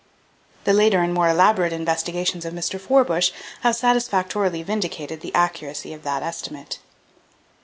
The later and more elaborate investigations of Mr. Forbush have satisfactorily vindicated the accuracy of that estimate.